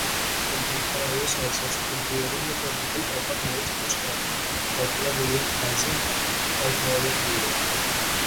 Contemporary sources, including the chronicle of Melis Stoke, portray William as an Arthurian hero.